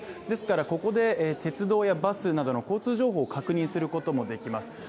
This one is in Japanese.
ですからここで鉄道やバスなどの交通情報を確認することもできます。